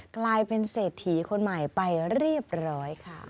กลายเป็นเศรษฐีคนใหม่ไปเรียบร้อยค่ะ